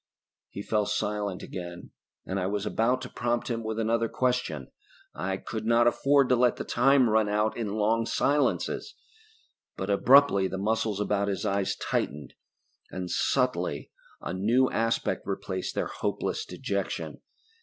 He fell silent again, and I was about to prompt him with another question I could not afford to let the time run out in long silences but abruptly the muscles about his eyes tightened and subtly a new aspect replaced their hopeless dejection.